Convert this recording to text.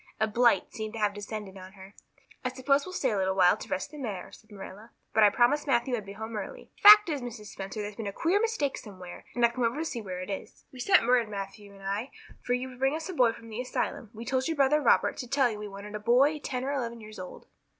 A blight seemed to have descended on her. "I suppose we'll stay a little while to rest the mare," said Marilla, "but I promised Matthew I'd be home early. The fact is, Mrs. Spencer, there's been a queer mistake somewhere, and I've come over to see where it is. We send word, Matthew and I, for you to bring us a boy from the asylum. We told your brother Robert to tell you we wanted a boy ten or eleven years old."